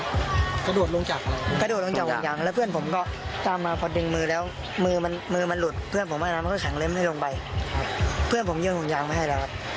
กระโดดลงจากกระโดดลงจากห่วงยางแล้วเพื่อนผมก็ตามมาพอดึงมือแล้วมือมันมือมันหลุดเพื่อนผมว่ายน้ำมันก็แข็งเลยไม่ลงไปครับเพื่อนผมยื่นห่วงยางไปให้แล้วครับ